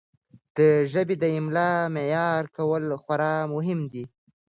د ژبې د املاء معیار کول خورا مهم دي.